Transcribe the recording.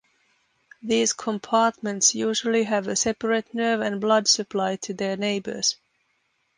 These compartments usually have a separate nerve and blood supply to their neighbours.